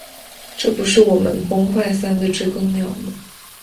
这不是我们崩坏三的知更鸟吗